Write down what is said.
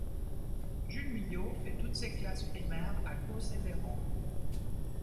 Jules Milhau fait toutes ses classes primaires à Causses-et-Veyran.